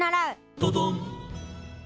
「ドドン！」